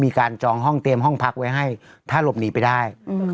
มีการเตรียมห้องพักไว้ให้ถ้าลบการหนีไปได้